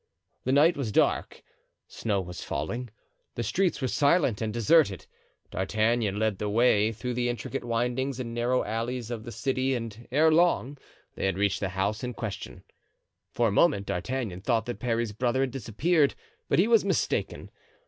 The night was dark, snow was falling, the streets were silent and deserted. D'Artagnan led the way through the intricate windings and narrow alleys of the city and ere long they had reached the house in question. For a moment D'Artagnan thought that Parry's brother had disappeared; but he was mistaken.